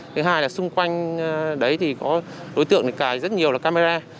thứ hai là xung quanh đấy thì có đối tượng cài rất nhiều là camera